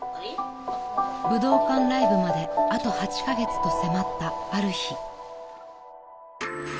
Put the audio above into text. ［武道館ライブまであと８カ月と迫ったある日］